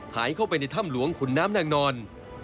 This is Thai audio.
หายเข้าไปในถ้ำหลวงขุนน้ำนางนอน